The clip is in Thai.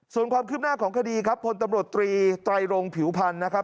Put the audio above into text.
ส่วนความคืบหน้าของคดีครับพลตำรวจตรีไตรรงผิวพันธ์นะครับ